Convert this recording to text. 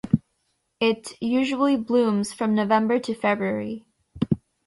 It usually blooms from November to February.